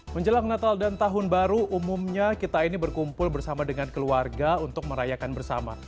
menjelang natal dan tahun baru umumnya kita ini berkumpul bersama dengan keluarga untuk merayakan bersama